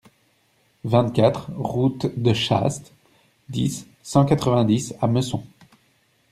vingt-quatre route de Chaast, dix, cent quatre-vingt-dix à Messon